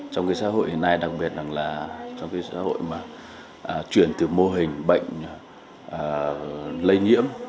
trong xã hội hiện nay đặc biệt là trong xã hội mà chuyển từ mô hình bệnh lây nhiễm